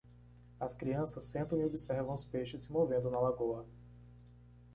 As crianças sentam e observam os peixes se movendo na lagoa